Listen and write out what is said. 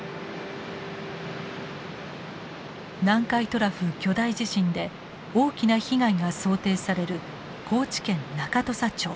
南海トラフ巨大地震で大きな被害が想定される高知県中土佐町。